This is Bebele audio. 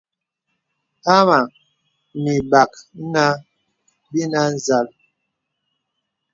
Hāmà nə̀ ibàk nǎ binə̀ á zal.